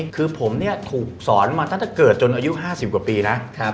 คือผมเนี่ยถูกสอนมาตั้งแต่เกิดจนอายุ๕๐กว่าปีนะ